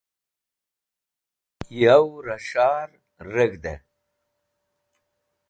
Yow Ra S̃hahr reg̃hde